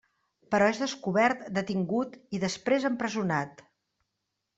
Però és descobert, detingut i després empresonat.